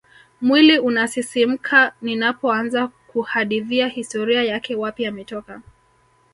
Mwiliunasisimka ninapoanza kuhadithia historia yake wapi ametoka